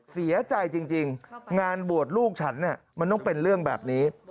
เสียใจจริงงานบวชลูกฉันเนี่ยมันต้องเป็นเรื่องแบบนี้